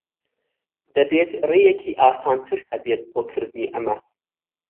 دەبێت ڕێیەکی ئاسانتر ھەبێت بۆ کردنی ئەمە.